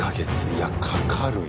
いやかかるよ